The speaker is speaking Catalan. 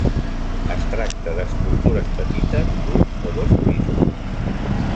Es tracta d'estructures petites, d'un o dos pisos.